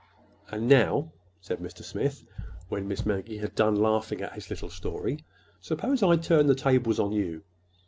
'" "And now," said Mr. Smith, when Miss Maggie had done laughing at his little story, "suppose I turn the tables on you?